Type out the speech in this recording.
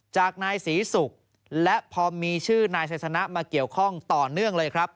จากนายศรีศุกร์และพอมีชื่อนายไซสนะมาเกี่ยวข้องต่อเนื่องเลยครับ